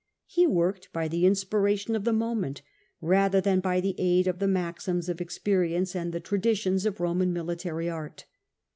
He worked by the inspiration of the moment, rather than by the aid of the maxims of experience and the traditions of Roman military art.